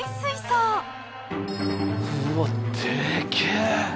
うわっでけえ。